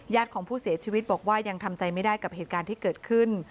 ของผู้เสียชีวิตบอกว่ายังทำใจไม่ได้กับเหตุการณ์ที่เกิดขึ้น